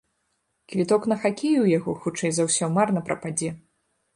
Квіток на хакей у яго, хутчэй за ўсё, марна прападзе.